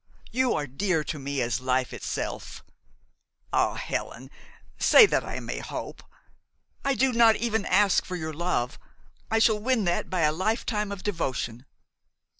You are dear to me as life itself. Ah, Helen, say that I may hope! I do not even ask for your love. I shall win that by a lifetime of devotion."